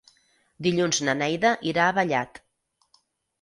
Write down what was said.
Dilluns na Neida irà a Vallat.